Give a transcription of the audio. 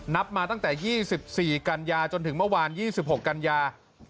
นับมาตั้งแต่๒๔กันยาจนถึงเมื่อวาน๒๖กันยา